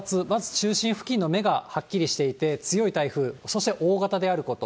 中心付近の目がはっきりしていて、強い台風、そして大型であること。